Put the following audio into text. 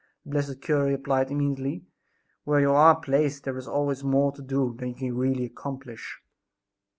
The blessed cure replied immediately: "Where you are placed there is always more to do than you can really accomplish!"